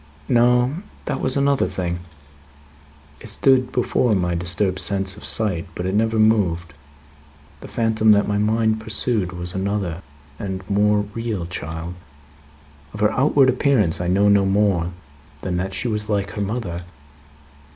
"No. That was another thing. It stood before my disturbed sense of sight, but it never moved. The phantom that my mind pursued, was another and more real child. Of her outward appearance I know no more than that she was like her mother.